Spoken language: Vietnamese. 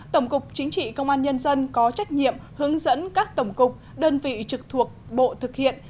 tổng cục chính trị công an nhân dân có trách nhiệm hướng dẫn các tổng cục đơn vị trực thuộc bộ thực hiện